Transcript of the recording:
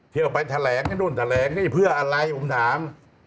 เที่ยวไปแถลงนั่นนู่นแถลงเนี่ยเพื่ออะไรผมถาม